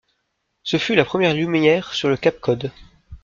Ce fut la première lumière sur le cap Cod.